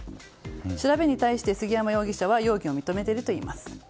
調べに対して杉山容疑者は容疑を認めているといいます。